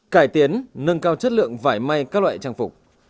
cải tiến nâng cao chất lượng vải may các loại trang phục